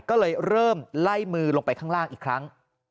ก็เลยเริ่มไล่มือลงไปข้างล่างอีกครั้ง